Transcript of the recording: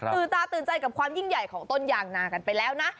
ตื่นตาตื่นใจกับความยิ่งใหญ่ของต้นยางนากันไปแล้วนะ